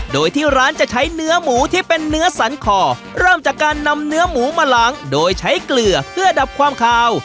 โดยที่ร้านจะใช้เนื้อหมูที่เป็นเนื้อสันคอเริ่มจากการนำเนื้อหมูมาล้างโดยใช้เกลือเพื่อดับความคาว